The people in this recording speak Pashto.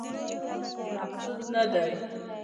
مقصود نه دی.